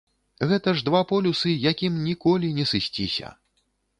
Гэта ж два полюсы, якім ніколі не сысціся.